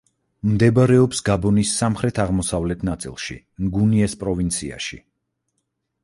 მდებარეობს გაბონის სამხრეთ-აღმოსავლეთ ნაწილში, ნგუნიეს პროვინციაში.